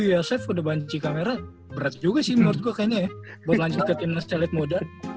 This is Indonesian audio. kalau sempet dikalo udah banci kamera berat juga sih menurut gue kayaknya ya buat lanjut ke tim nestelec moda